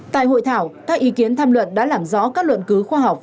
tại hội thảo các ý kiến tham luận đã làm rõ các luận cứu khoa học